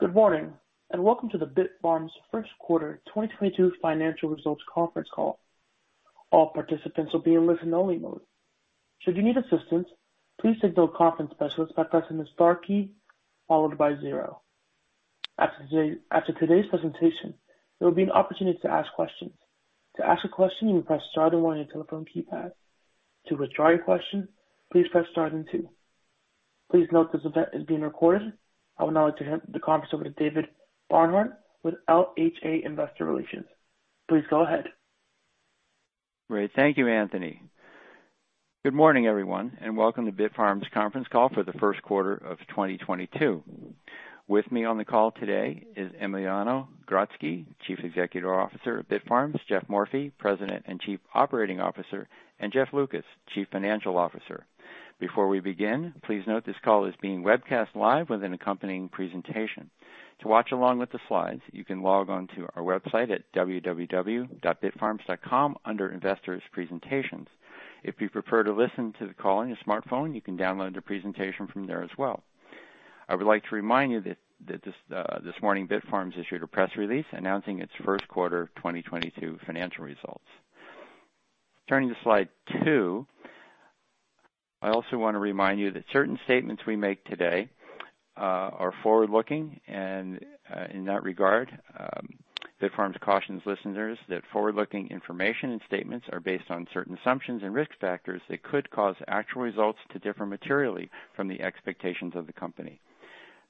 Good morning, and welcome to the Bitfarms first quarter 2022 financial results conference call. All participants will be in listen only mode. Should you need assistance, please signal conference specialists by pressing the star key followed by zero. After today's presentation, there will be an opportunity to ask questions. To ask a question, you may press star then one on your telephone keypad. To withdraw your question, please press star then two. Please note this event is being recorded. I will now turn the conference over to David Barnard with LHA Investor Relations. Please go ahead. Great. Thank you, Anthony. Good morning, everyone, and welcome to Bitfarms conference call for the first quarter of 2022. With me on the call today is Emiliano Grodzki, Chief Executive Officer of Bitfarms, Geoff Morphy, President and Chief Operating Officer, and Jeff Lucas, Chief Financial Officer. Before we begin, please note this call is being webcast live with an accompanying presentation. To watch along with the slides, you can log on to our website at www.bitfarms.com under Investors Presentations. If you prefer to listen to the call on your smartphone, you can download the presentation from there as well. I would like to remind you that this morning, Bitfarms issued a press release announcing its first quarter 2022 financial results. Turning to slide two, I also want to remind you that certain statements we make today are forward-looking, and in that regard, Bitfarms cautions listeners that forward-looking information and statements are based on certain assumptions and risk factors that could cause actual results to differ materially from the expectations of the company.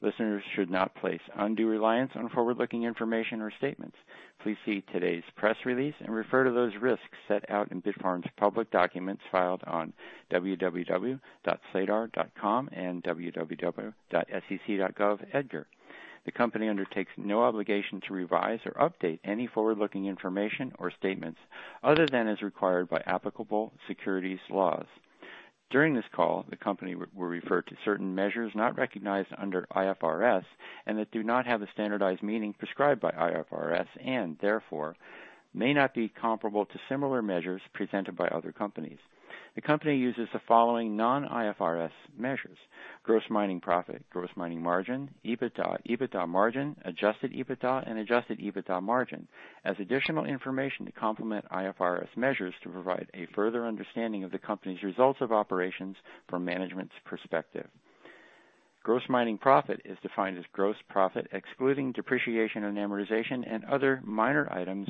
Listeners should not place undue reliance on forward-looking information or statements. Please see today's press release and refer to those risks set out in Bitfarms public documents filed on www.sedar.com and www.sec.gov EDGAR. The company undertakes no obligation to revise or update any forward-looking information or statements other than as required by applicable securities laws. During this call, the company will refer to certain measures not recognized under IFRS and that do not have the standardized meaning prescribed by IFRS and therefore may not be comparable to similar measures presented by other companies. The company uses the following non-IFRS measures: gross mining profit, gross mining margin, EBITDA margin, adjusted EBITDA and adjusted EBITDA margin as additional information to complement IFRS measures to provide a further understanding of the company's results of operations from management's perspective. Gross mining profit is defined as gross profit, excluding depreciation and amortization and other minor items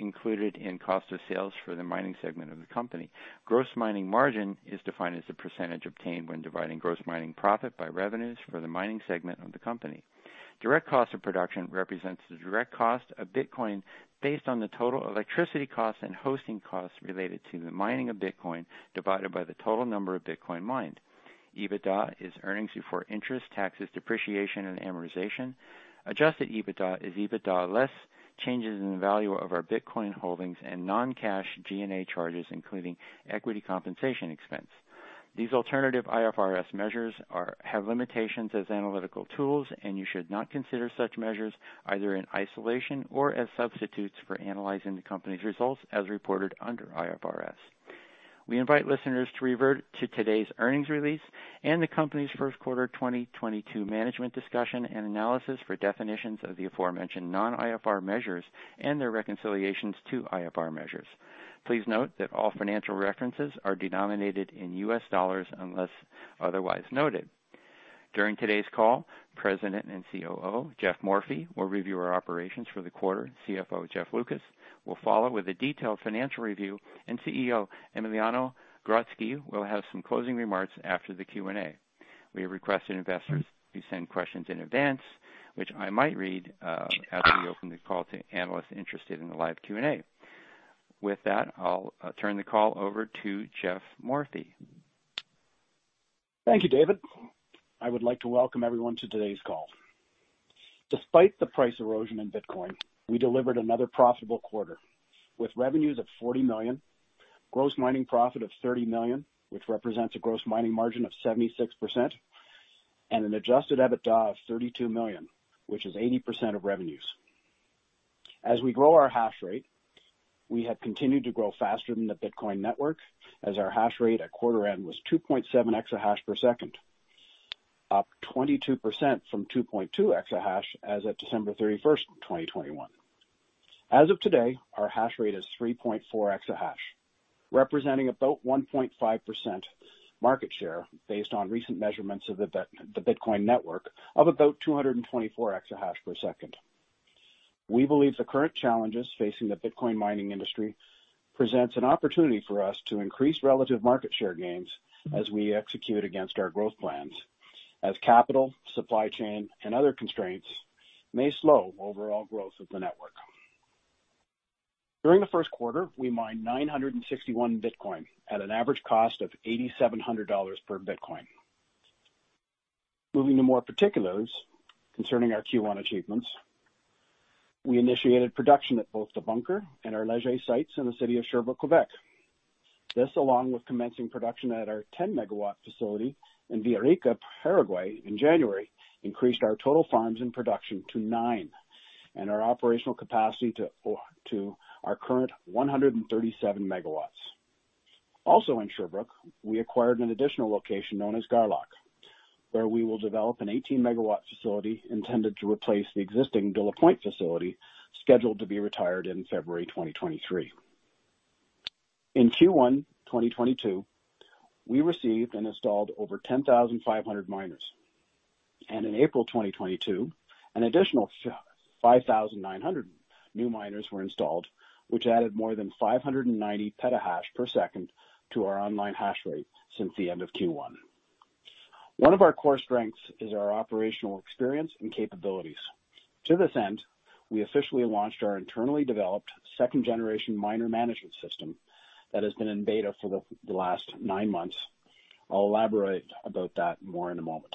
included in cost of sales for the mining segment of the company. Gross mining margin is defined as the percentage obtained when dividing gross mining profit by revenues for the mining segment of the company. Direct cost of production represents the direct cost of Bitcoin based on the total electricity costs and hosting costs related to the mining of Bitcoin, divided by the total number of Bitcoin mined. EBITDA is earnings before interest, taxes, depreciation, and amortization. Adjusted EBITDA is EBITDA less changes in the value of our Bitcoin holdings and non-cash G&A charges, including equity compensation expense. These alternative IFRS measures have limitations as analytical tools, and you should not consider such measures either in isolation or as substitutes for analyzing the company's results as reported under IFRS. We invite listeners to revert to today's earnings release and the company's first quarter 2022 management discussion and analysis for definitions of the aforementioned non-IFRS measures and their reconciliations to IFRS measures. Please note that all financial references are denominated in U.S. dollars unless otherwise noted. During today's call, President and COO Geoff Morphy will review our operations for the quarter. CFO Jeff Lucas will follow with a detailed financial review, and CEO Emiliano Grodzki will have some closing remarks after the Q&A. We have requested investors to send questions in advance, which I might read, as we open the call to analysts interested in the live Q&A. With that, I'll turn the call over to Geoff Morphy. Thank you, David. I would like to welcome everyone to today's call. Despite the price erosion in Bitcoin, we delivered another profitable quarter with revenues of $40 million, gross mining profit of $30 million, which represents a gross mining margin of 76%, and an adjusted EBITDA of $32 million, which is 80% of revenues. As we grow our hash rate, we have continued to grow faster than the Bitcoin network as our hash rate at quarter end was 2.7 EH/s, up 22% from 2.2 exahash as of December 31st, 2021. As of today, our hash rate is 3.4 exahash, representing about 1.5% market share based on recent measurements of the Bitcoin network of about 224 EH/s. We believe the current challenges facing the Bitcoin mining industry presents an opportunity for us to increase relative market share gains as we execute against our growth plans as capital, supply chain, and other constraints may slow overall growth of the network. During the first quarter, we mined 961 Bitcoin at an average cost of $8,700 per Bitcoin. Moving to more particulars concerning our Q1 achievements, we initiated production at both the Bunker and our Léger sites in the city of Sherbrooke, Quebec. This, along with commencing production at our 10- MW facility in Villarrica, Paraguay in January, increased our total farms in production to nine and our operational capacity to 137 MW. Also in Sherbrooke, we acquired an additional location known as Garlock, where we will develop an 18-MW facility intended to replace the existing De La Pointe facility, scheduled to be retired in February 2023. In Q1 2022, we received and installed over 10,500 miners. In April 2022, an additional 5,900 new miners were installed, which added more than 590 Ph/s to our online hash rate since the end of Q1. One of our core strengths is our operational experience and capabilities. To this end, we officially launched our internally developed second generation miner management system that has been in beta for the last nine months. I'll elaborate about that more in a moment.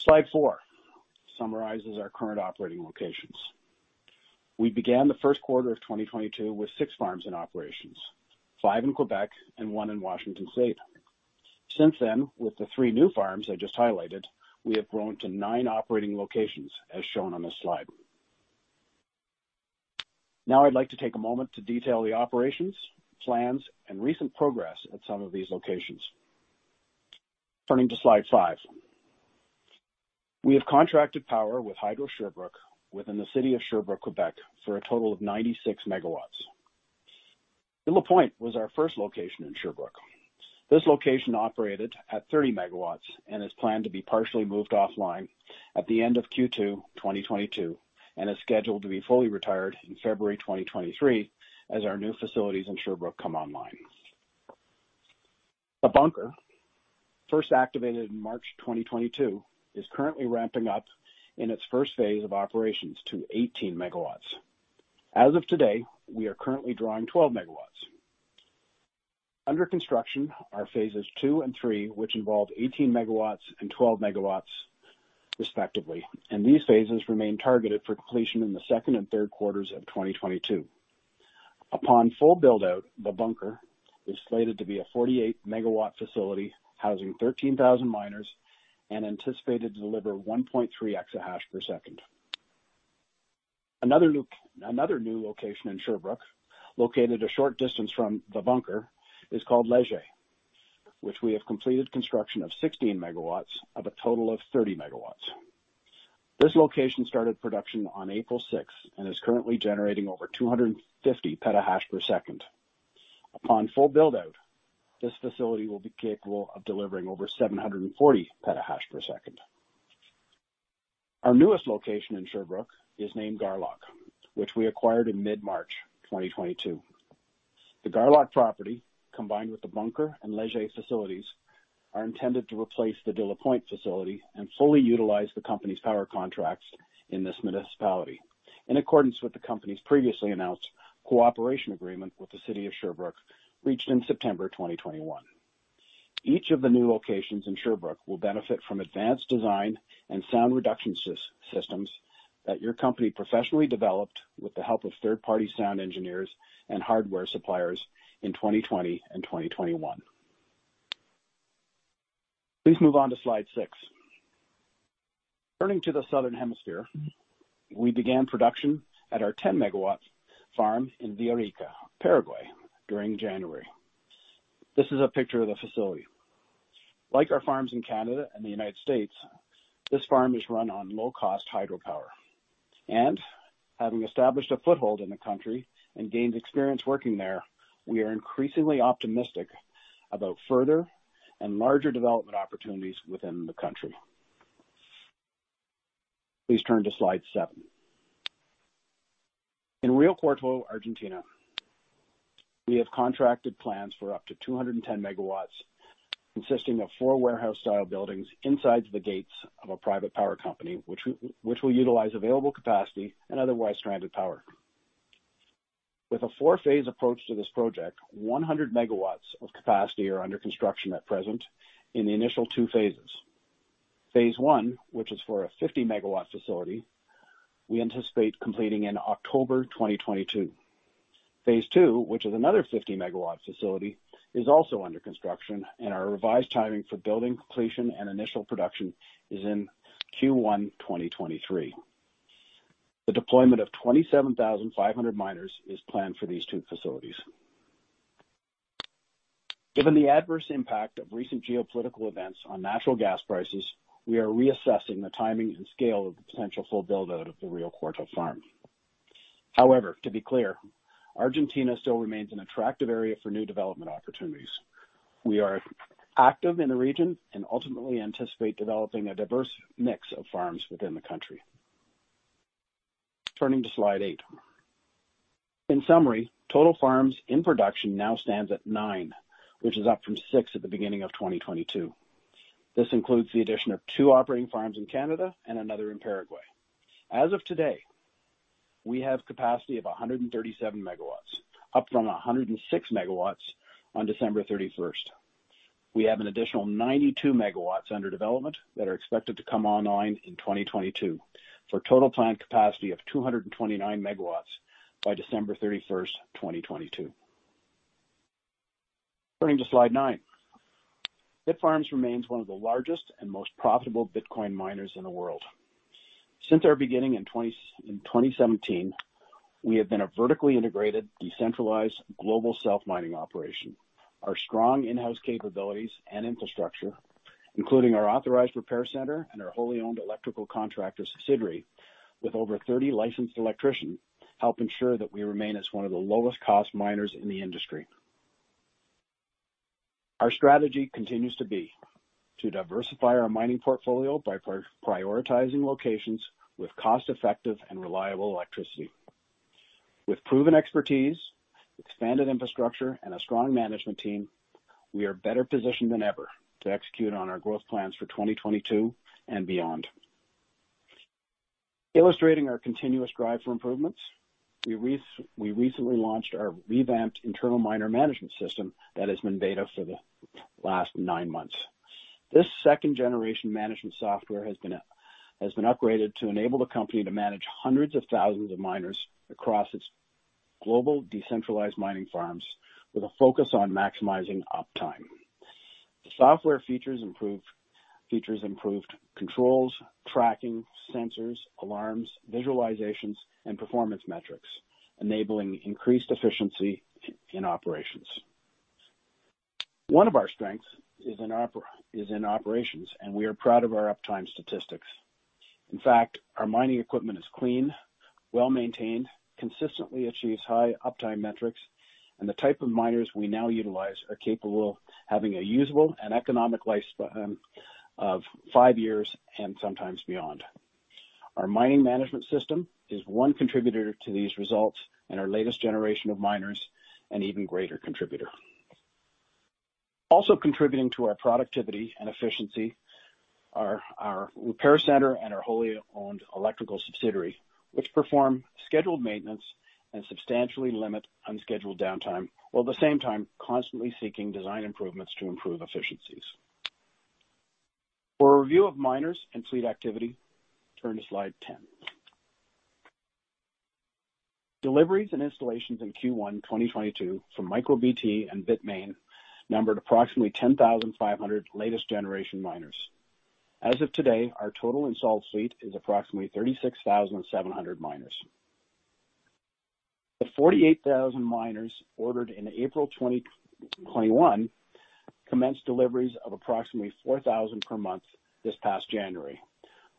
Slide four summarizes our current operating locations. We began the first quarter of 2022 with six farms in operations, five in Quebec and one in Washington State. Since then, with the three new farms I just highlighted, we have grown to nine operating locations, as shown on this slide. Now I'd like to take a moment to detail the operations, plans, and recent progress at some of these locations. Turning to slide five. We have contracted power with Hydro-Sherbrooke within the city of Sherbrooke, Quebec, for a total of 96 MW. De La Pointe was our first location in Sherbrooke. This location operated at 30 MW and is planned to be partially moved offline at the end of Q2, 2022, and is scheduled to be fully retired in February 2023 as our new facilities in Sherbrooke come online. The Bunker, first activated in March 2022, is currently ramping up in its first phase of operations to 18 MW. As of today, we are currently drawing 12 MW. Under construction are phases two and three, which involve 18 MW and 12 MW respectively, and these phases remain targeted for completion in the second and third quarters of 2022. Upon full build-out, The Bunker is slated to be a 48 MW facility housing 13,000 miners and anticipated to deliver 1.3 EH/s. Another new location in Sherbrooke, located a short distance from The Bunker, is called Léger, which we have completed construction of 16 MW of a total of 30 MW. This location started production on April 6th and is currently generating over 250 Ph/s. Upon full build-out, this facility will be capable of delivering over 740 Ph/s. Our newest location in Sherbrooke is named Garlock, which we acquired in mid-March 2022. The Garlock property, combined with The Bunker and Léger facilities, are intended to replace the De La Pointe facility and fully utilize the company's power contracts in this municipality, in accordance with the company's previously announced cooperation agreement with the city of Sherbrooke, reached in September 2021. Each of the new locations in Sherbrooke will benefit from advanced design and sound reduction systems that your company professionally developed with the help of third-party sound engineers and hardware suppliers in 2020 and 2021. Please move on to slide six. Turning to the Southern Hemisphere, we began production at our 10-MW farm in Villarrica, Paraguay, during January. This is a picture of the facility. Like our farms in Canada and the United States, this farm is run on low-cost hydropower. Having established a foothold in the country and gained experience working there, we are increasingly optimistic about further and larger development opportunities within the country. Please turn to slide seven. In Rio Cuarto, Argentina, we have contracted plans for up to 210 MW, consisting of four warehouse-style buildings inside the gates of a private power company, which will utilize available capacity and otherwise stranded power. With a four-phase approach to this project, 100 MW of capacity are under construction at present in the initial two phases. Phase one, which is for a 50 MW facility, we anticipate completing in October 2022. Phase two, which is another 50 MW facility, is also under construction, and our revised timing for building completion and initial production is in Q1 2023. The deployment of 27,500 miners is planned for these two facilities. Given the adverse impact of recent geopolitical events on natural gas prices, we are reassessing the timing and scale of the potential full build-out of the Rio Cuarto farm. However, to be clear, Argentina still remains an attractive area for new development opportunities. We are active in the region and ultimately anticipate developing a diverse mix of farms within the country. Turning to slide eight. In summary, total farms in production now stands at nine, which is up from six at the beginning of 2022. This includes the addition of two operating farms in Canada and another in Paraguay. As of today, we have capacity of 137 MW, up from 106 MW on December 31st. We have an additional 92 MW under development that are expected to come online in 2022, for total planned capacity of 229 MW by December 31st, 2022. Turning to slide nine. Bitfarms remains one of the largest and most profitable Bitcoin miners in the world. Since our beginning in 2017, we have been a vertically integrated, decentralized, global self-mining operation. Our strong in-house capabilities and infrastructure, including our authorized repair center and our wholly owned electrical contractor subsidiary, with over 30 licensed electricians, help ensure that we remain as one of the lowest cost miners in the industry. Our strategy continues to be to diversify our mining portfolio by prioritizing locations with cost-effective and reliable electricity. With proven expertise, expanded infrastructure, and a strong management team, we are better positioned than ever to execute on our growth plans for 2022 and beyond. Illustrating our continuous drive for improvements, we recently launched our revamped internal miner management system that has been beta for the last nine months. This second generation management software has been upgraded to enable the company to manage hundreds of thousands of miners across its global decentralized mining farms with a focus on maximizing uptime. The software features improved controls, tracking, sensors, alarms, visualizations, and performance metrics, enabling increased efficiency in operations. One of our strengths is in operations, and we are proud of our uptime statistics. In fact, our mining equipment is clean, well-maintained, consistently achieves high uptime metrics, and the type of miners we now utilize are capable of having a usable and economic lifespan of five years and sometimes beyond. Our mining management system is one contributor to these results and our latest generation of miners an even greater contributor. Contributing to our productivity and efficiency are our repair center and our wholly owned electrical subsidiary, which perform scheduled maintenance and substantially limit unscheduled downtime, while at the same time constantly seeking design improvements to improve efficiencies. For a review of miners and fleet activity, turn to slide 10. Deliveries and installations in Q1 2022 from MicroBT and Bitmain numbered approximately 10,500 latest generation miners. As of today, our total installed fleet is approximately 36,700 miners. The 48,000 miners ordered in April 2021 commenced deliveries of approximately 4,000 per month this past January,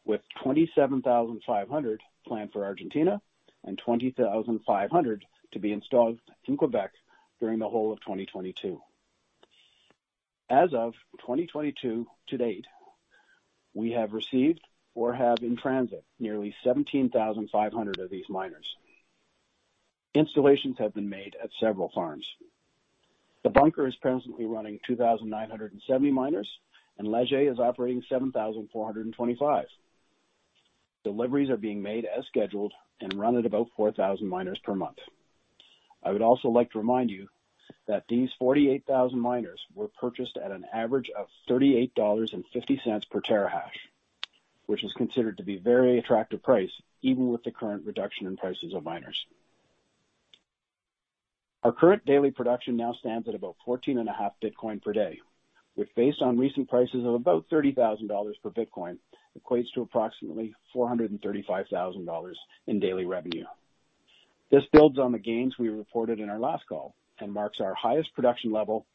with 27,500 planned for Argentina and 20,500 to be installed in Quebec during the whole of 2022. As of 2022 to date, we have received or have in transit nearly 17,500 of these miners. Installations have been made at several farms. The bunker is presently running 2,970 miners, and Léger is operating 7,425. Deliveries are being made as scheduled and run at about 4,000 miners per month. I would also like to remind you that these 48,000 miners were purchased at an average of $38.50 per terahash, which is considered to be very attractive price even with the current reduction in prices of miners. Our current daily production now stands at about 14.5 Bitcoin per day, which based on recent prices of about $30,000 per Bitcoin, equates to approximately $435,000 in daily revenue. This builds on the gains we reported in our last call and marks our highest production level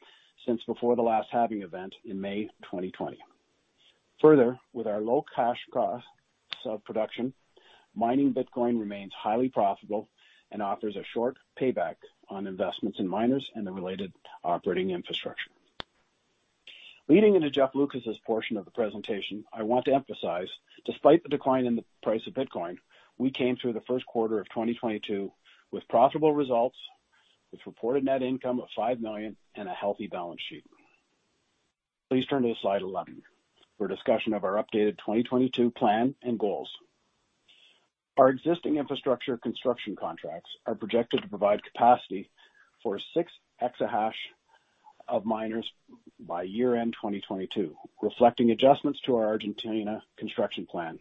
since before the last halving event in May 2020. Further, with our low cash costs of production, mining Bitcoin remains highly profitable and offers a short payback on investments in miners and the related operating infrastructure. Leading into Jeff Lucas' portion of the presentation, I want to emphasize, despite the decline in the price of Bitcoin, we came through the first quarter of 2022 with profitable results, with reported net income of $5 million and a healthy balance sheet. Please turn to slide 11 for a discussion of our updated 2022 plan and goals. Our existing infrastructure construction contracts are projected to provide capacity for 6 exahash of miners by year-end 2022, reflecting adjustments to our Argentina construction plan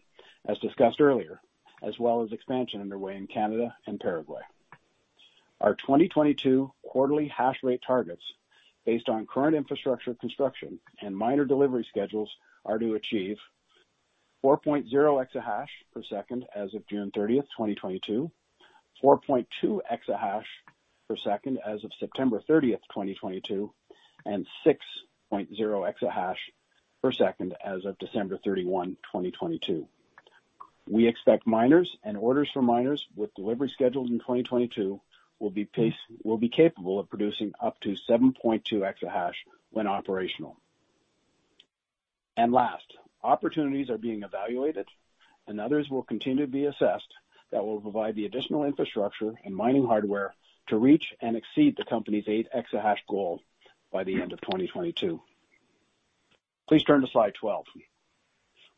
as discussed earlier, as well as expansion underway in Canada and Paraguay. Our 2022 quarterly hash rate targets based on current infrastructure construction and miner delivery schedules are to achieve 4.0 EH/s as of June 30th, 2022, 4.2 EH/s as of September 30th, 2022, and 6.0 EH/s as of December 31, 2022. We expect miners and orders for miners with delivery schedules in 2022 will be capable of producing up to 7.2 exahash when operational. Last, opportunities are being evaluated and others will continue to be assessed that will provide the additional infrastructure and mining hardware to reach and exceed the company's 8 exahash goal by the end of 2022. Please turn to slide 12.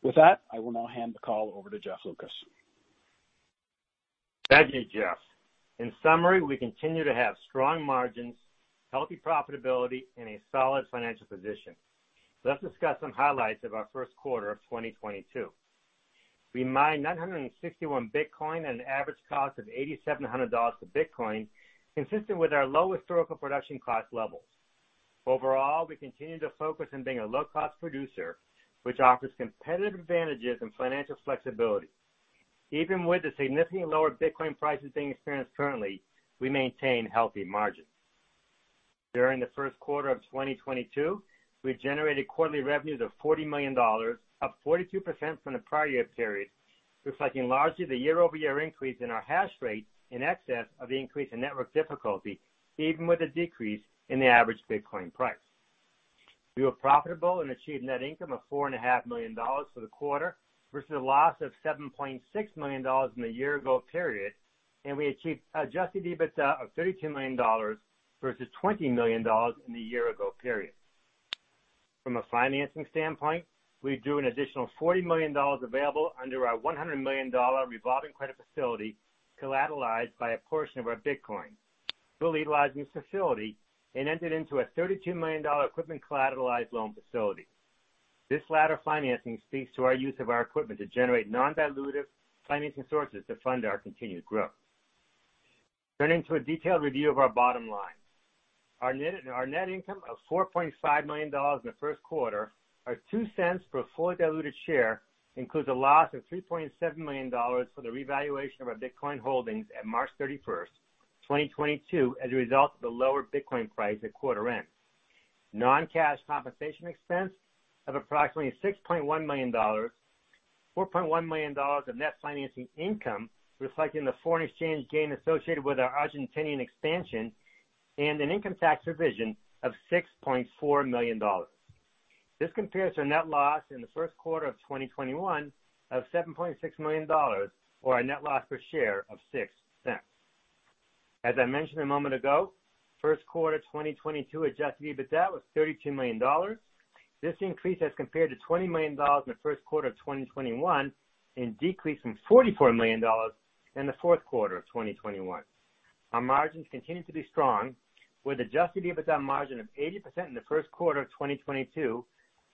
With that, I will now hand the call over to Jeff Lucas. Thank you, Geoff. In summary, we continue to have strong margins, healthy profitability and a solid financial position. Let's discuss some highlights of our first quarter of 2022. We mined 961 Bitcoin at an average cost of $8,700 a Bitcoin, consistent with our low historical production cost levels. Overall, we continue to focus on being a low-cost producer, which offers competitive advantages and financial flexibility. Even with the significantly lower Bitcoin prices being experienced currently, we maintain healthy margins. During the first quarter of 2022, we generated quarterly revenues of $40 million, up 42% from the prior year period, reflecting largely the year-over-year increase in our hash rate in excess of the increase in network difficulty, even with a decrease in the average Bitcoin price. We were profitable and achieved net income of $4.5 million for the quarter versus a loss of $7.6 million in the year-ago period, and we achieved Adjusted EBITDA of $32 million versus $20 million in the year-ago period. From a financing standpoint, we drew an additional $40 million available under our $100 million revolving credit facility, collateralized by a portion of our Bitcoin. We'll utilize new facility and entered into a $32 million equipment-collateralized loan facility. This latter financing speaks to our use of our equipment to generate non-dilutive financing sources to fund our continued growth. Turning to a detailed review of our bottom line. Our net income of $4.5 million in the first quarter is $0.02 Per fully diluted share. It includes a loss of $3.7 million for the revaluation of our Bitcoin holdings at March 31st, 2022, as a result of the lower Bitcoin price at quarter end. Non-cash compensation expense of approximately $6.1 million, $4.1 million of net financing income, reflecting the foreign exchange gain associated with our Argentinian expansion, and an income tax revision of $6.4 million. This compares to a net loss in the first quarter of 2021 of $7.6 million or a net loss per share of $0.06. As I mentioned a moment ago, first quarter 2022 adjusted EBITDA was $32 million. This increase as compared to $20 million in the first quarter of 2021 and decreased from $44 million in the fourth quarter of 2021. Our margins continue to be strong with Adjusted EBITDA margin of 80% in the first quarter of 2022,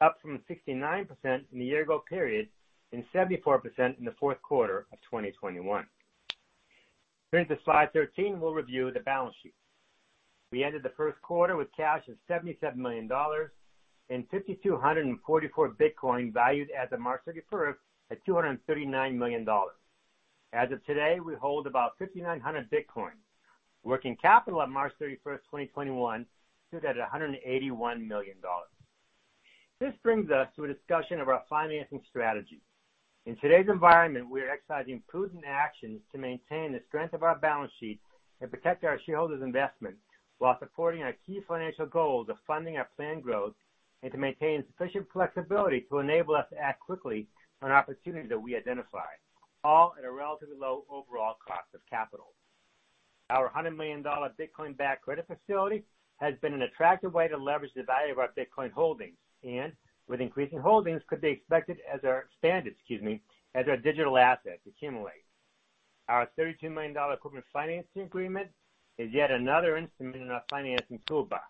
up from 69% in the year ago period, and 74% in the fourth quarter of 2021. Turning to slide 13, we'll review the balance sheet. We ended the first quarter with cash of $77 million and 5,244 Bitcoin valued as of March 31st at $239 million. As of today, we hold about 5,900 Bitcoin. Working capital at March 31st, 2021 stood at $181 million. This brings us to a discussion of our financing strategy. In today's environment, we are exercising prudent actions to maintain the strength of our balance sheet and protect our shareholders' investment while supporting our key financial goals of funding our planned growth and to maintain sufficient flexibility to enable us to act quickly on opportunities that we identify, all at a relatively low overall cost of capital. Our $100 million Bitcoin-backed credit facility has been an attractive way to leverage the value of our Bitcoin holdings, and with increasing holdings could be expected as our digital assets accumulate. Our $32 million equipment financing agreement is yet another instrument in our financing toolbox.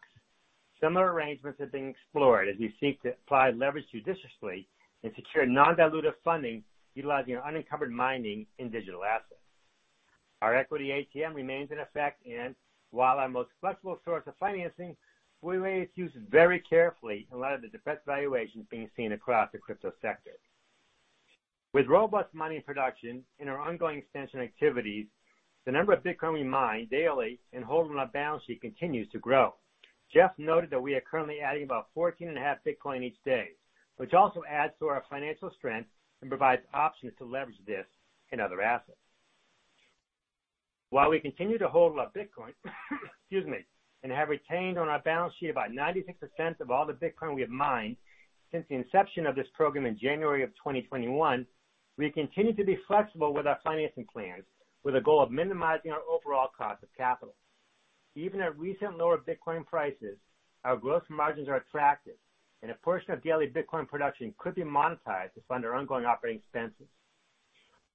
Similar arrangements are being explored as we seek to apply leverage judiciously and secure non-dilutive funding utilizing our unencumbered mining and digital assets. Our equity ATM remains in effect, and while our most flexible source of financing, we may use it very carefully in light of the depressed valuations being seen across the crypto sector. With robust mining production and our ongoing expansion activities, the number of Bitcoin we mine daily and hold on our balance sheet continues to grow. Jeff noted that we are currently adding about 14.5 Bitcoin each day, which also adds to our financial strength and provides options to leverage this in other assets. While we continue to hold our Bitcoin, excuse me, and have retained on our balance sheet about 96% of all the Bitcoin we have mined since the inception of this program in January 2021, we continue to be flexible with our financing plans with a goal of minimizing our overall cost of capital. Even at recent lower Bitcoin prices, our gross margins are attractive, and a portion of daily Bitcoin production could be monetized to fund our ongoing operating expenses.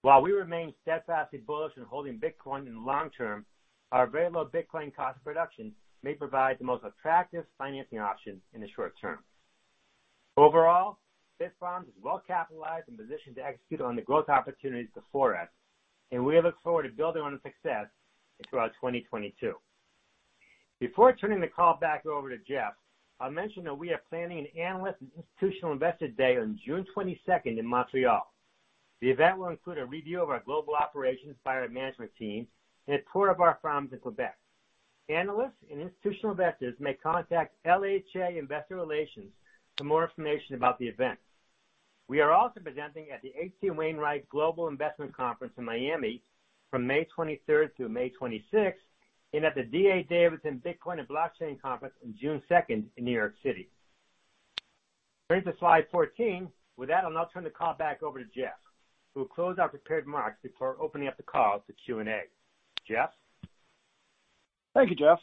While we remain steadfastly bullish in holding Bitcoin in the long term, our very low Bitcoin cost of production may provide the most attractive financing option in the short term. Overall, Bitfarms is well capitalized and positioned to execute on the growth opportunities before us, and we look forward to building on its success throughout 2022. Before turning the call back over to Geoff, I'll mention that we are planning an analyst and institutional investor day on June 22nd in Montreal. The event will include a review of our global operations by our management team and a tour of our farms in Quebec. Analysts and institutional investors may contact LHA Investor Relations for more information about the event. We are also presenting at the H.C. Wainwright Global Investment Conference in Miami from May 23rd to May 26th, and at the D.A. Davidson Bitcoin and Blockchain Conference on June 2nd in New York City. Turning to slide 14. With that, I'll now turn the call back over to Jeff, who will close out the prepared remarks before opening up the call to Q&A. Geoff? Thank you, Jeff.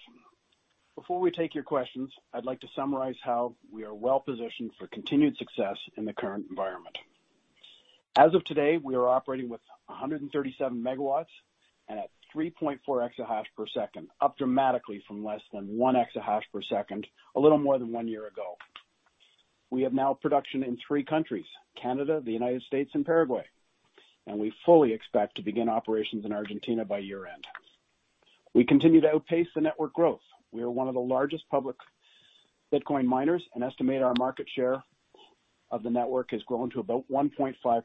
Before we take your questions, I'd like to summarize how we are well-positioned for continued success in the current environment. As of today, we are operating with 137 MW and at 3.4 EH/s, up dramatically from less than 1 EH/s a little more than one year ago. We have now production in three countries, Canada, the United States and Paraguay, and we fully expect to begin operations in Argentina by year-end. We continue to outpace the network growth. We are one of the largest public Bitcoin miners and estimate our market share of the network has grown to about 1.5%.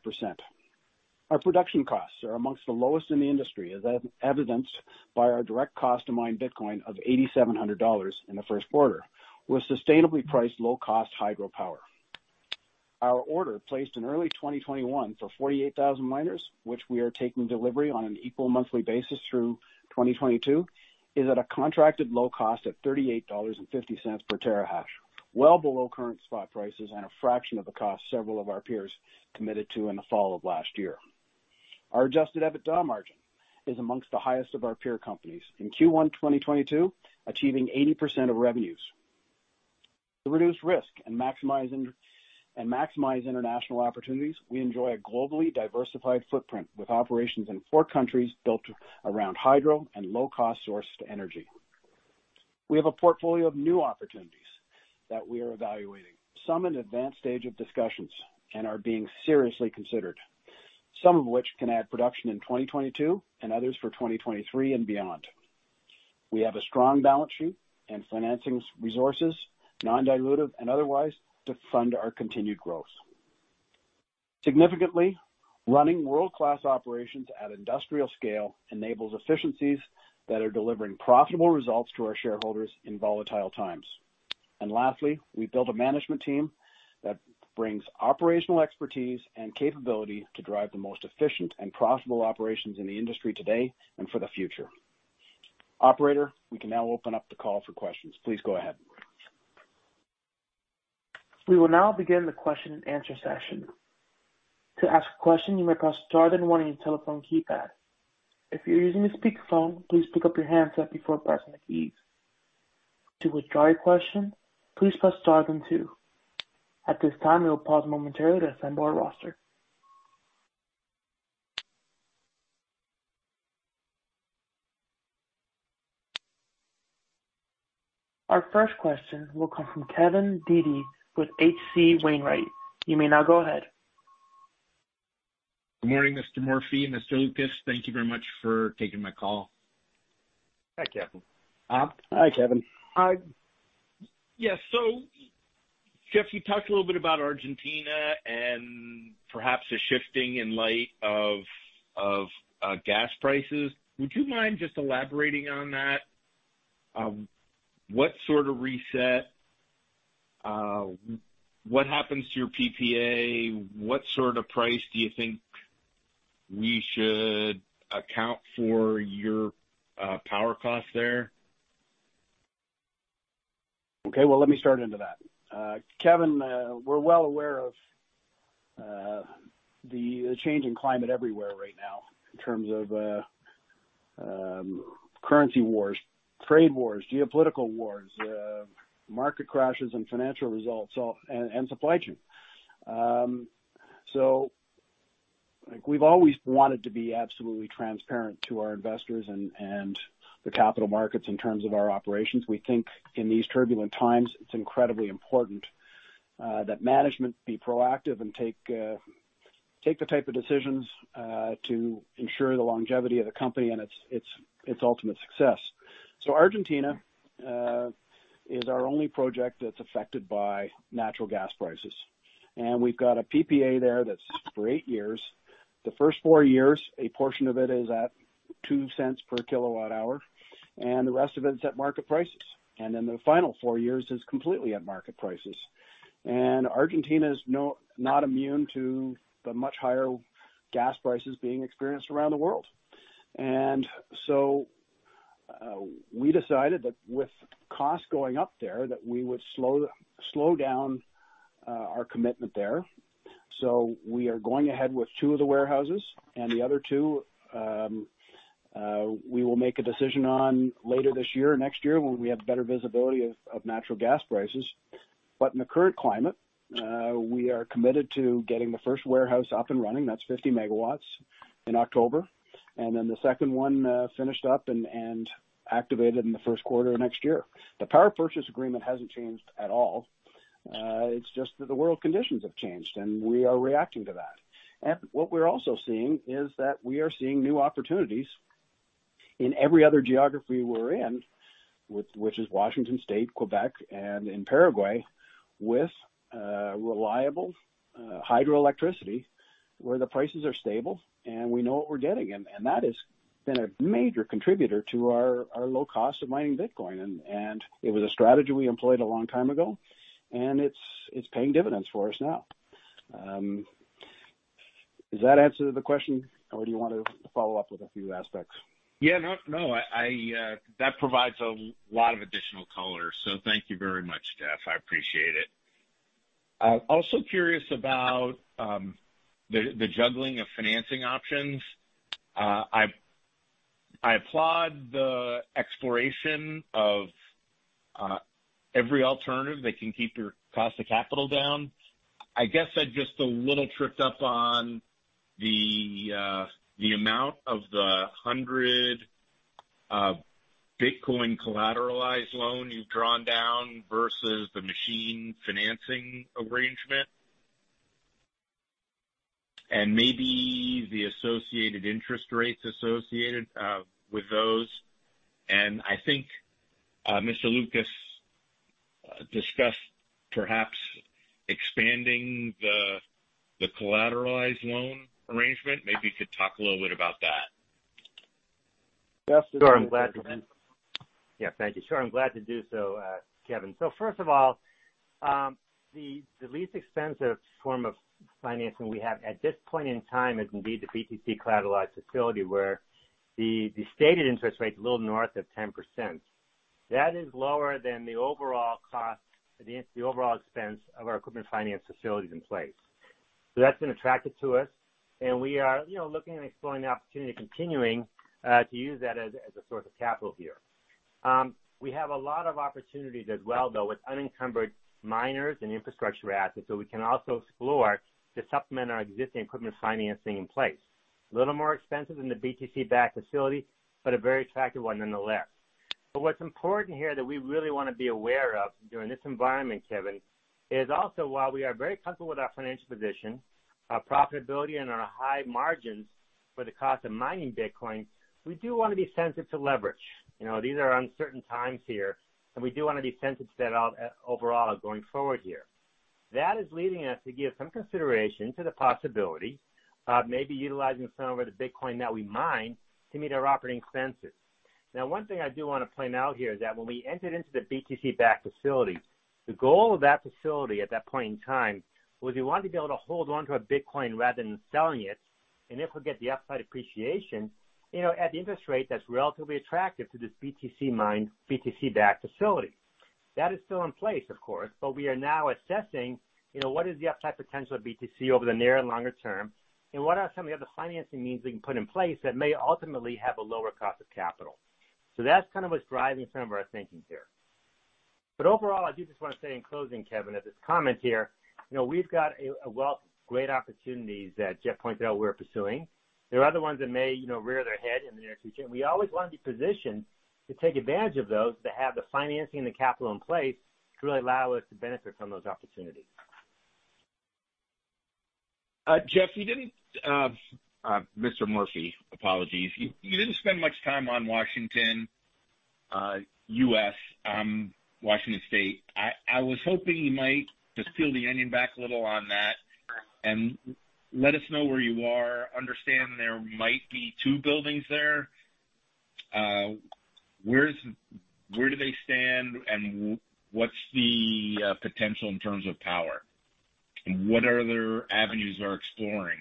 Our production costs are among the lowest in the industry, as evidenced by our direct cost to mine Bitcoin of $8,700 in the first quarter, with sustainably priced low cost hydropower. Our order placed in early 2021 for 48,000 miners, which we are taking delivery on an equal monthly basis through 2022, is at a contracted low cost of $38.50 per terahash, well below current spot prices and a fraction of the cost several of our peers committed to in the fall of last year. Our Adjusted EBITDA margin is among the highest of our peer companies in Q1 2022, achieving 80% of revenues. To reduce risk and maximize international opportunities, we enjoy a globally diversified footprint with operations in four countries built around hydro and low-cost sourced energy. We have a portfolio of new opportunities that we are evaluating, some in advanced stage of discussions and are being seriously considered, some of which can add production in 2022 and others for 2023 and beyond. We have a strong balance sheet and financing resources, non-dilutive and otherwise, to fund our continued growth. Significantly, running world-class operations at industrial scale enables efficiencies that are delivering profitable results to our shareholders in volatile times. Lastly, we built a management team that brings operational expertise and capability to drive the most efficient and profitable operations in the industry today and for the future. Operator, we can now open up the call for questions. Please go ahead. We will now begin the question and answer session. To ask a question, you may press star then one on your telephone keypad. If you're using a speakerphone, please pick up your handset before pressing the keys. To withdraw your question, please press star then two. At this time, we will pause momentarily to assemble our roster. Our first question will come from Kevin Dede with H.C. Wainwright. You may now go ahead. Good morning, Mr. Morphy and Mr. Lucas. Thank you very much for taking my call. Hi, Kevin. Um. Hi, Kevin. Yes. Geoff, you talked a little bit about Argentina and perhaps a shifting in light of gas prices. Would you mind just elaborating on that? What sort of reset? What happens to your PPA? What sort of price do you think we should account for your power cost there? Okay, well, let me start into that. Kevin, we're well aware of the changing climate everywhere right now in terms of currency wars, trade wars, geopolitical wars, market crashes and financial results and supply chain. We've always wanted to be absolutely transparent to our investors and the capital markets in terms of our operations. We think in these turbulent times, it's incredibly important that management be proactive and take the type of decisions to ensure the longevity of the company and its ultimate success. Argentina is our only project that's affected by natural gas prices. We've got a PPA there that's for eight years. The first four years, a portion of it is at $0.02 per kWh, and the rest of it's at market prices. The final four years is completely at market prices. Argentina is not immune to the much higher gas prices being experienced around the world. We decided that with costs going up there, that we would slow down our commitment there. We are going ahead with two of the warehouses and the other two, we will make a decision on later this year or next year when we have better visibility of natural gas prices. In the current climate, we are committed to getting the first warehouse up and running. That's 50 MW in October, and then the second one, finished up and activated in the first quarter of next year. The power purchase agreement hasn't changed at all. It's just that the world conditions have changed, and we are reacting to that. What we're also seeing is that we are seeing new opportunities in every other geography we're in, which is Washington State, Quebec, and in Paraguay, with reliable hydroelectricity, where the prices are stable and we know what we're getting. That has been a major contributor to our low cost of mining Bitcoin. It was a strategy we employed a long time ago, and it's paying dividends for us now. Does that answer the question or do you want to follow up with a few aspects? Yeah, no. That provides a lot of additional color. Thank you very much, Geoff. I appreciate it. I'm also curious about the juggling of financing options. I applaud the exploration of every alternative that can keep your cost of capital down. I guess I'm just a little tripped up on the amount of the 100 Bitcoin collateralized loan you've drawn down versus the machine financing arrangement. Maybe the associated interest rates with those. I think Mr. Lucas discussed perhaps expanding the collateralized loan arrangement. Maybe you could talk a little bit about that. Sure, I'm glad to do so, Kevin. First of all, the least expensive form of financing we have at this point in time is indeed the BTC collateralized facility, where the stated interest rate is a little north of 10%. That is lower than the overall cost, the overall expense of our equipment finance facilities in place. That's been attractive to us, and we are looking at exploring the opportunity of continuing to use that as a source of capital here. We have a lot of opportunities as well, though, with unencumbered miners and infrastructure assets that we can also explore to supplement our existing equipment financing in place. A little more expensive than the BTC-backed facility, but a very attractive one nonetheless. What's important here that we really wanna be aware of during this environment, Kevin, is also, while we are very comfortable with our financial position, our profitability, and our high margins for the cost of mining Bitcoin, we do wanna be sensitive to leverage. You know, these are uncertain times here, and we do wanna be sensitive to that, overall going forward here. That is leading us to give some consideration to the possibility of maybe utilizing some of the Bitcoin that we mine to meet our operating expenses. Now, one thing I do wanna point out here is that when we entered into the BTC-backed facility, the goal of that facility at that point in time was we wanted to be able to hold onto a Bitcoin rather than selling it, and if we get the upside appreciation, you know, at the interest rate that's relatively attractive to this BTC miner, BTC-backed facility. That is still in place, of course, but we are now assessing, you know, what is the upside potential of BTC over the near and longer term, and what are some of the other financing means we can put in place that may ultimately have a lower cost of capital. That's kind of what's driving some of our thinking here. Overall, I do just wanna say in closing, Kevin, as a comment here, you know, we've got great opportunities that Jeff pointed out we're pursuing. There are other ones that may, you know, rear their head in the near future, and we always want to be positioned to take advantage of those, to have the financing and the capital in place to really allow us to benefit from those opportunities. Jeff, Mr. Morphy, apologies. You didn't spend much time on Washington State. I was hoping you might just peel the onion back a little on that and let us know where you are. Understand there might be two buildings there. Where do they stand, and what's the potential in terms of power? What other avenues are exploring?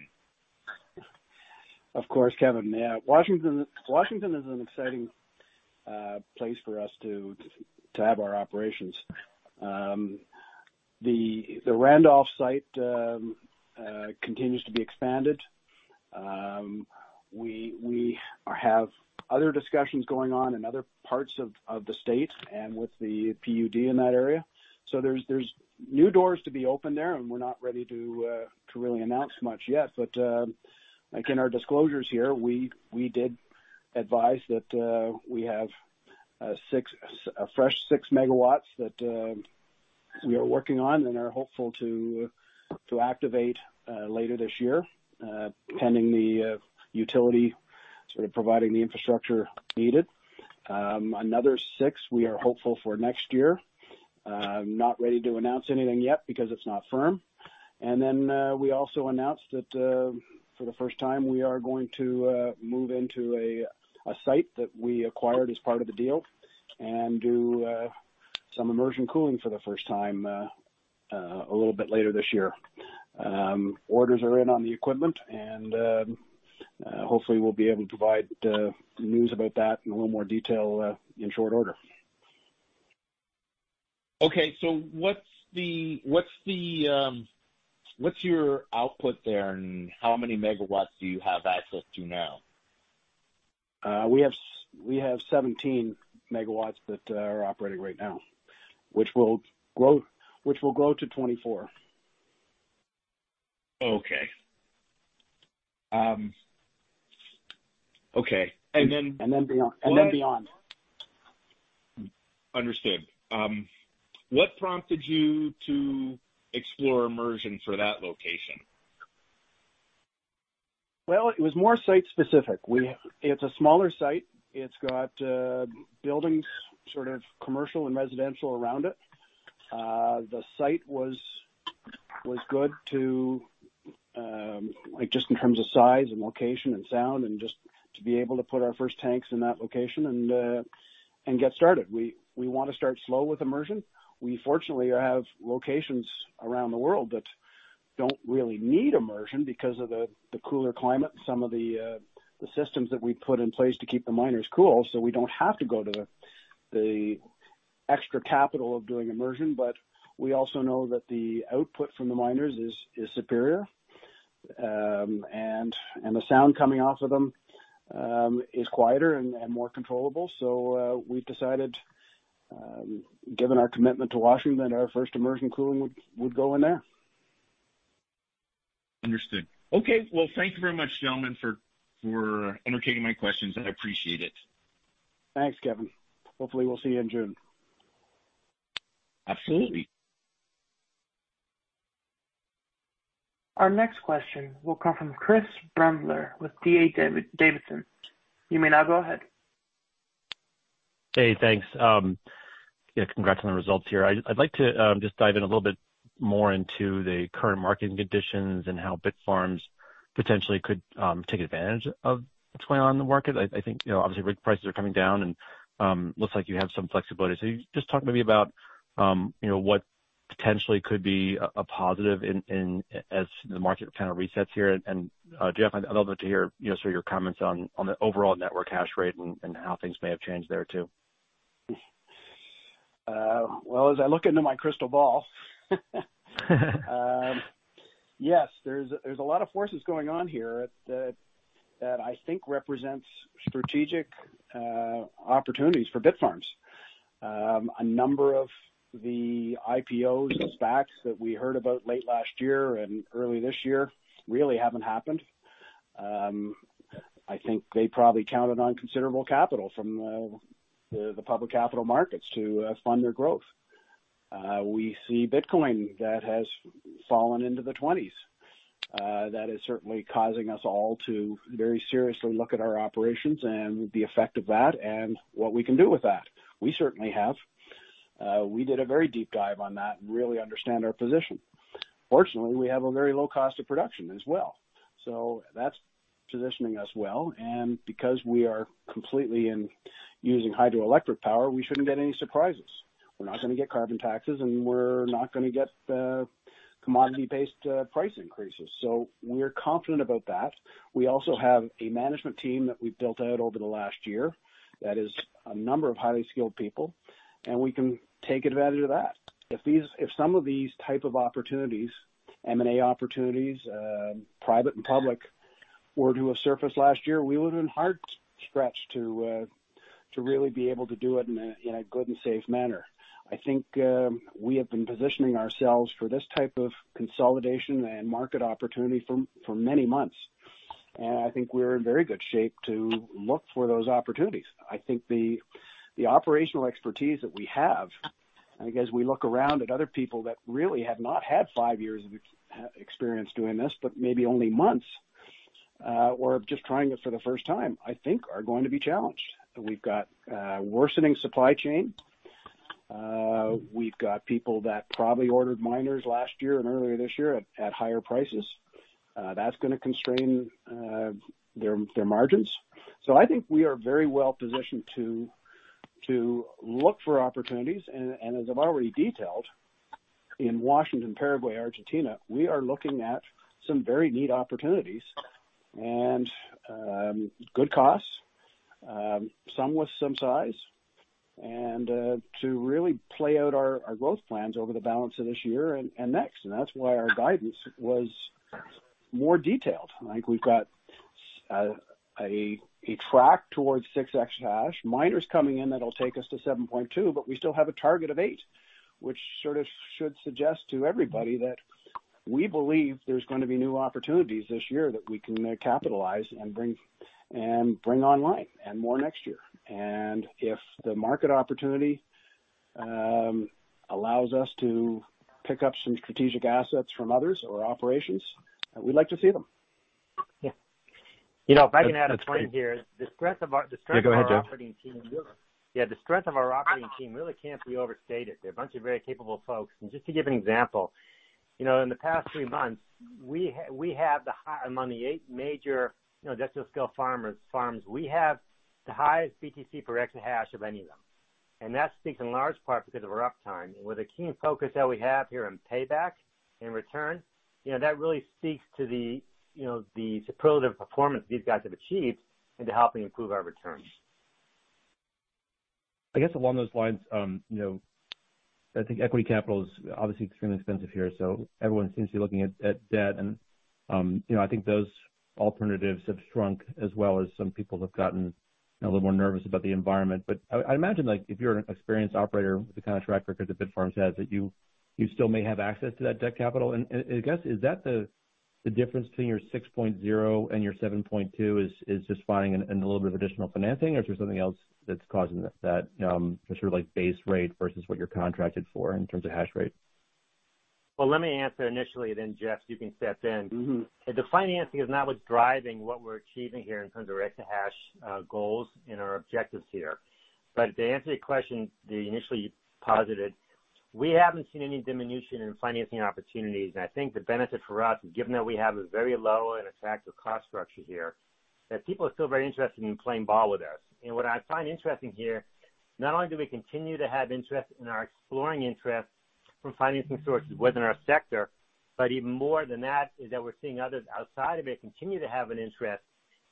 Of course, Kevin. Yeah. Washington is an exciting place for us to have our operations. The Washington site continues to be expanded. We have other discussions going on in other parts of the state and with the PUD in that area. There's new doors to be opened there, and we're not ready to really announce much yet. Again, our disclosures here, we did advise that we have a fresh 6 MW that we are working on and are hopeful to activate later this year, pending the utility sort of providing the infrastructure needed. Another 6 we are hopeful for next year. Not ready to announce anything yet because it's not firm. We also announced that, for the first time, we are going to move into a site that we acquired as part of the deal and do some immersion cooling for the first time a little bit later this year. Orders are in on the equipment, and hopefully we'll be able to provide news about that in a little more detail in short order. Okay. What's your output there, and how many megawatts do you have access to now? We have 17 MW that are operating right now, which will grow to 24 MW. Okay. Beyond. Understood. What prompted you to explore immersion for that location? Well, it was more site-specific. It's a smaller site. It's got buildings, sort of commercial and residential around it. The site was good to, like just in terms of size and location and sound, and just to be able to put our first tanks in that location and get started. We wanna start slow with immersion. We fortunately have locations around the world that don't really need immersion because of the cooler climate, some of the systems that we put in place to keep the miners cool, so we don't have to go to the extra capital of doing immersion. We also know that the output from the miners is superior, and the sound coming off of them is quieter and more controllable. We've decided, given our commitment to Washington, our first immersion cooling would go in there. Understood. Okay. Well, thank you very much, gentlemen, for entertaining my questions. I appreciate it. Thanks, Kevin. Hopefully, we'll see you in June. Absolutely. Our next question will come from Chris Brendler with D.A. Davidson. You may now go ahead. Hey, thanks. Yeah, congrats on the results here. I'd like to just dive in a little bit more into the current mining conditions and how Bitfarms potentially could take advantage of what's going on in the market. I think, you know, obviously rig prices are coming down and looks like you have some flexibility. Just talk maybe about, you know, what potentially could be a positive in as the market kind of resets here. Jeff, I'd love to hear, you know, sort of your comments on the overall network hash rate and how things may have changed there too. Well, as I look into my crystal ball, yes, there's a lot of forces going on here that I think represents strategic opportunities for Bitfarms. A number of the IPOs and SPACs that we heard about late last year and early this year really haven't happened. I think they probably counted on considerable capital from the public capital markets to fund their growth. We see Bitcoin that has fallen into the twenties. That is certainly causing us all to very seriously look at our operations and the effect of that and what we can do with that. We certainly have. We did a very deep dive on that and really understand our position. Fortunately, we have a very low cost of production as well, so that's positioning us well. Because we are completely using hydroelectric power, we shouldn't get any surprises. We're not gonna get carbon taxes, and we're not gonna get commodity-based price increases. We're confident about that. We also have a management team that we've built out over the last year that is a number of highly skilled people, and we can take advantage of that. If some of these type of opportunities, M&A opportunities, private and public, were to have surfaced last year, we would've been hard-pressed to really be able to do it in a good and safe manner. I think we have been positioning ourselves for this type of consolidation and market opportunity for many months. I think we're in very good shape to look for those opportunities. I think the operational expertise that we have. I think as we look around at other people that really have not had five years of experience doing this, but maybe only months, or just trying it for the first time, I think are going to be challenged. We've got worsening supply chain. We've got people that probably ordered miners last year and earlier this year at higher prices. That's gonna constrain their margins. I think we are very well positioned to look for opportunities. As I've already detailed, in Washington, Paraguay, Argentina, we are looking at some very neat opportunities and good costs, some with some size and to really play out our growth plans over the balance of this year and next. That's why our guidance was more detailed. I think we've got a track towards 6 exahash miners coming in that'll take us to 7.2, but we still have a target of 8, which sort of should suggest to everybody that we believe there's gonna be new opportunities this year that we can capitalize and bring online and more next year. If the market opportunity allows us to pick up some strategic assets from others or operations, we'd like to see them. Yeah. You know, if I can add a point here. That's great. The strength of our Yeah, go ahead, Jeff. Yeah. The strength of our operating team really can't be overstated. They're a bunch of very capable folks. Just to give an example, you know, in the past three months, we have the highest among the eight major, you know, industrial-scale farms. We have the highest BTC per exahash of any of them. That speaks in large part because of our uptime. With a keen focus that we have here on payback and return, you know, that really speaks to the, you know, the superlative performance these guys have achieved into helping improve our returns. I guess along those lines, you know, I think equity capital is obviously extremely expensive here, so everyone seems to be looking at debt. You know, I think those alternatives have shrunk as well as some people have gotten a little more nervous about the environment. I imagine, like, if you're an experienced operator with the kind of track record that Bitfarms has, that you still may have access to that debt capital. I guess is that the difference between your 6.0 and your 7.2 is just finding a little bit of additional financing or is there something else that's causing that sort of like base rate versus what you're contracted for in terms of hash rate? Well, let me answer initially, then Jeff, you can jump in. Mm-hmm. The financing is not what's driving what we're achieving here in terms of exahash goals and our objectives here. To answer your question, the initial one you posited, we haven't seen any diminution in financing opportunities. I think the benefit for us, given that we have a very low and attractive cost structure here, that people are still very interested in playing ball with us. What I find interesting here, not only do we continue to have interest and we're exploring interest from financing sources within our sector, but even more than that is that we're seeing others outside of it continue to have an interest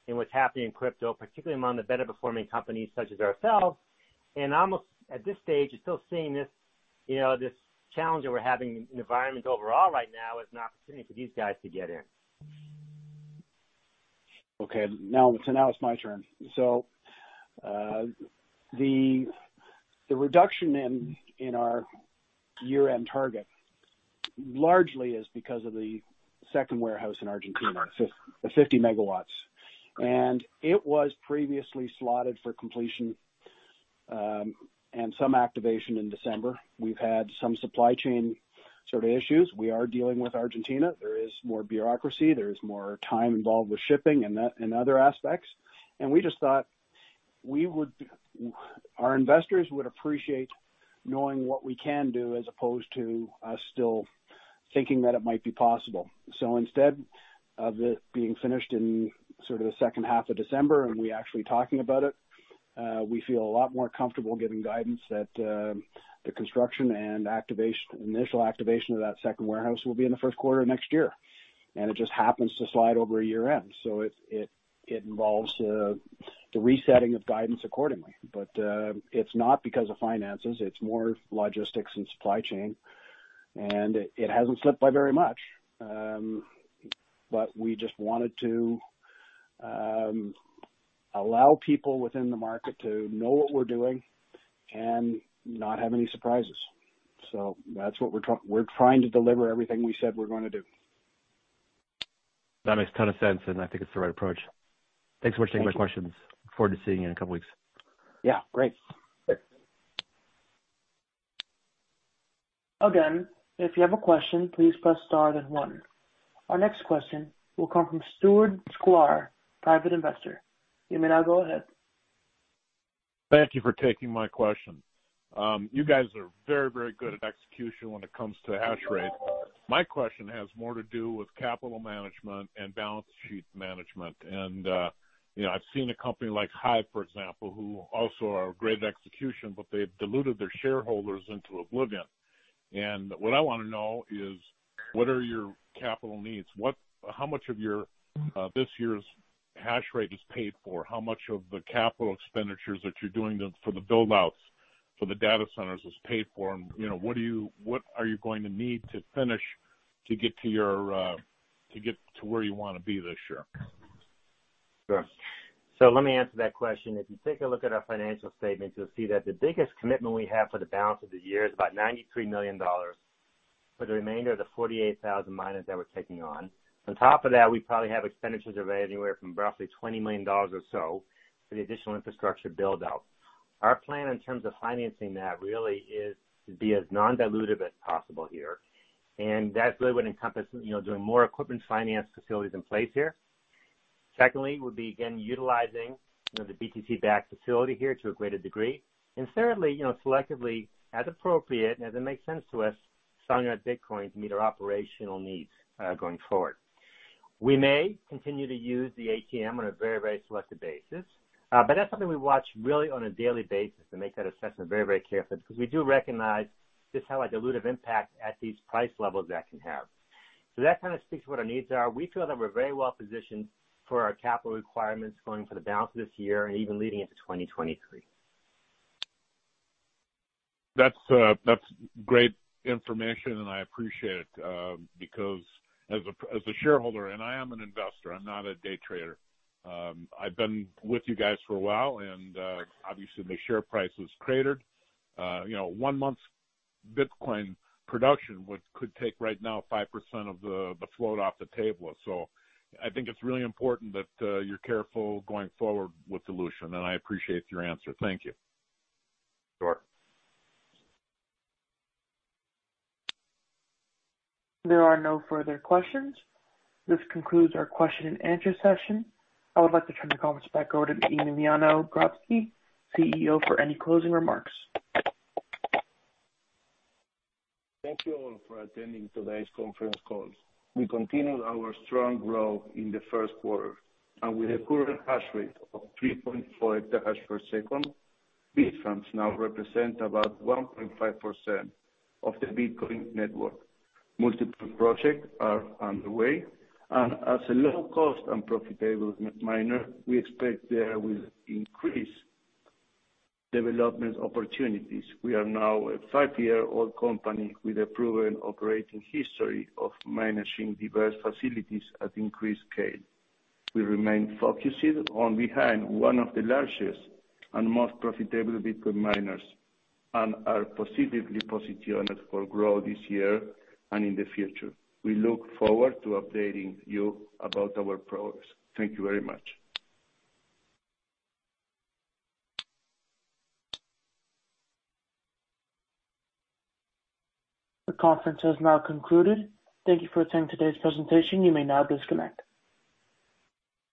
in what's happening in crypto, particularly among the better performing companies such as ourselves. Almost at this stage, you're still seeing this, you know, this challenge that we're having in the environment overall right now is an opportunity for these guys to get in. Okay, now it's my turn. The reduction in our year-end target largely is because of the second warehouse in Argentina, the 50 MW. It was previously slotted for completion and some activation in December. We've had some supply chain sort of issues. We are dealing with Argentina. There is more bureaucracy. There is more time involved with shipping and other aspects. We just thought our investors would appreciate knowing what we can do as opposed to us still thinking that it might be possible. Instead of it being finished in sort of the second half of December and we actually talking about it, we feel a lot more comfortable giving guidance that the construction and activation, initial activation of that second warehouse will be in the first quarter of next year. It just happens to slide over a year-end. It involves the resetting of guidance accordingly. It’s not because of finances, it’s more logistics and supply chain. It hasn't slipped by very much. We just wanted to allow people within the market to know what we're doing and not have any surprises. That's what we're trying to deliver everything we said we're gonna do. That makes a ton of sense, and I think it's the right approach. Thanks for taking my questions. Thank you. Look forward to seeing you in a couple weeks. Yeah, great. Thanks. Again, if you have a question, please press star then one. Our next question will come from Stuart Sklar, Private Investor. You may now go ahead. Thank you for taking my question. You guys are very, very good at execution when it comes to hash rate. My question has more to do with capital management and balance sheet management. I've seen a company like HIVE, for example, who also are great at execution, but they've diluted their shareholders into oblivion. What I wanna know is what are your capital needs? How much of your this year's hash rate is paid for? How much of the capital expenditures that you're doing for the build-outs for the data centers is paid for? What are you going to need to finish to get to your to get to where you wanna be this year? Sure. Let me answer that question. If you take a look at our financial statements, you'll see that the biggest commitment we have for the balance of the year is about $93 million for the remainder of the 48,000 miners that we're taking on. On top of that, we probably have expenditures of anywhere from roughly $20 million or so for the additional infrastructure build-out. Our plan in terms of financing that really is to be as non-dilutive as possible here, and that really would encompass, you know, doing more equipment finance facilities in place here. Secondly, would be again utilizing, you know, the BTC-backed facility here to a greater degree. Thirdly, you know, selectively, as appropriate, as it makes sense to us, selling our Bitcoin to meet our operational needs going forward. We may continue to use the ATM on a very, very selective basis, but that's something we watch really on a daily basis to make that assessment very, very carefully because we do recognize just how a dilutive impact at these price levels that can have. That kinda speaks to what our needs are. We feel that we're very well positioned for our capital requirements going for the balance of this year and even leading into 2023. That's great information, and I appreciate it, because as a shareholder, and I am an investor, I'm not a day trader, I've been with you guys for a while, and obviously the share price has cratered. You know, one month's Bitcoin production would could take right now 5% of the float off the table. I think it's really important that you're careful going forward with dilution, and I appreciate your answer. Thank you. Sure. There are no further questions. This concludes our question and answer session. I would like to turn the conference back over to Emiliano Grodzki, CEO, for any closing remarks. Thank you all for attending today's conference call. We continued our strong growth in the first quarter, and with a current hash rate of 3.4 EH/s, Bitfarms now represents about 1.5% of the Bitcoin network. Multiple projects are underway, and as a low cost and profitable miner, we expect there will be increased development opportunities. We are now a five-year-old company with a proven operating history of managing diverse facilities at increased scale. We remain focused on becoming one of the largest and most profitable Bitcoin miners and are positively positioned for growth this year and in the future. We look forward to updating you about our progress. Thank you very much. The conference has now concluded. Thank you for attending today's presentation. You may now disconnect.